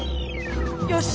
よし！